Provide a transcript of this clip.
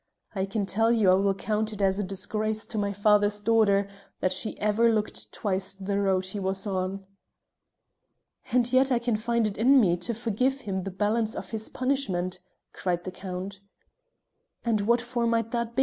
I can tell you I will count it a disgrace to my father's daughter that she ever looked twice the road he was on." "And yet I can find it in me to forgive him the balance of his punishment," cried the Count. "And what for might that be?"